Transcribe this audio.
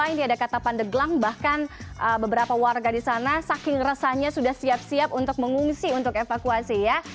ini ada kata pandeglang bahkan beberapa warga di sana saking resahnya sudah siap siap untuk mengungsi untuk evakuasi ya